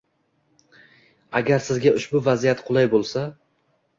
agar sizga ushbu vaziyat qulay bo‘lsa